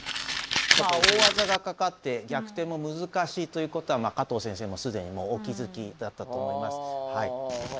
大技がかかって逆転も難しいということは加藤先生も既にもうお気付きだったと思います。